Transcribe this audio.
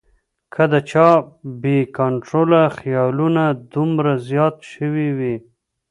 کۀ د چا بې کنټروله خیالونه دومره زيات شوي وي